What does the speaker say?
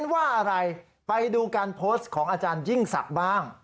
ว่าอะไรไปดูการโพสต์ของอาจารยิ่งศักดิ์บ้าง